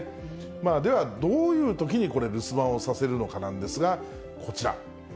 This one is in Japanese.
まあ、ではどういうときにこれ、留守番をさせるのかなんですが、こちら。